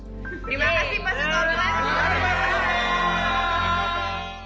terima kasih pak sutopo